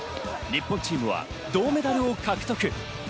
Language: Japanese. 日本チームは銅メダルを獲得。